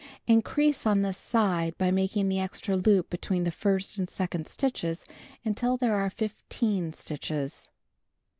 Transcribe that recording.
Increase on this side by making the extra loop between the first and second stitches until there are 15 stitches.